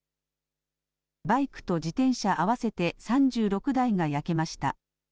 バイクと自転車合わせて３６台が焼けました。